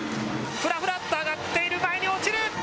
ふらふらっと上がっている前に落ちる。